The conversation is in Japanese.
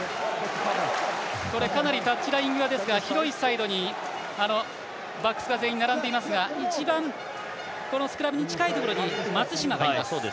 かなりタッチライン際ですが広いサイドにバックスが全員並んでいますが一番このスクラムに近いところに松島がいます。